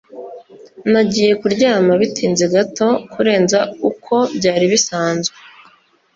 nagiye kuryama bitinze gato kurenza uko byari bisanzwe